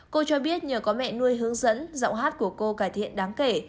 cô cho biết nhờ có mẹ nuôi hướng dẫn giọng hát của cô cải thiện đáng kể